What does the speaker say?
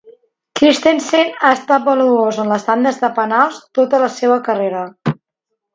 Christensen ha estat valuós en les tandes de penals tota la seva carrera.